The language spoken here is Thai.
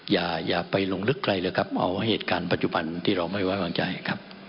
อย่าไปลงลึกใครเลยครับเอาเหตุการณ์ปัจจุบันที่เราไม่ไว้วางใจครับ